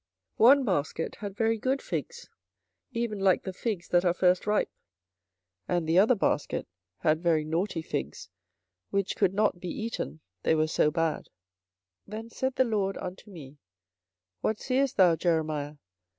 24:024:002 One basket had very good figs, even like the figs that are first ripe: and the other basket had very naughty figs, which could not be eaten, they were so bad. 24:024:003 Then said the LORD unto me, What seest thou, Jeremiah?